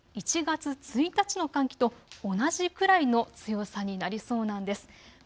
１月１日の寒気と同じくらいの強さになりそうなんです。